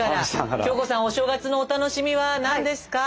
京子さんお正月のお楽しみは何ですか？